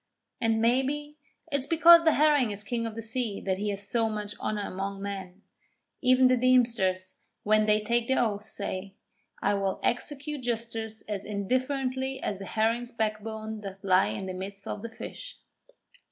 And, maybe, it's because the Herring is King of the Sea that he has so much honour among men. Even the deemsters, when they take their oath, say: 'I will execute justice as indifferently as the herring's backbone doth lie in the midst of the fish.'